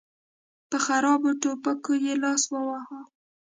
په خرابو ټوپکو يې لاس وواهه.